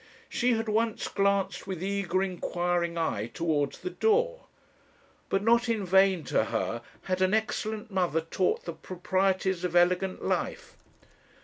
She had once glanced with eager inquiring eye towards the door. But not in vain to her had an excellent mother taught the proprieties of elegant life.